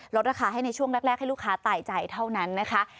ราคาให้ในช่วงแรกให้ลูกค้าตายใจเท่านั้นนะคะ